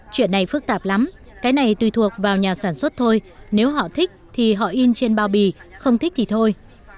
cái này tùy thuộc vào nhà sản xuất thôi nếu họ thích thì họ in trên bao bì không thích thì thôi